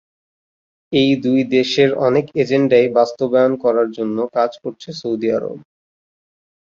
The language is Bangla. এই দুই দেশের অনেক এজেন্ডাই বাস্তবায়ন করার জন্য কাজ করছে সৌদি আরব।